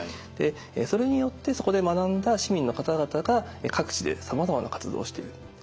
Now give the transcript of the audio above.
それによってそこで学んだ市民の方々が各地でさまざまな活動をしている。